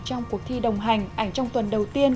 trong cuộc thi đồng hành ảnh trong tuần đầu tiên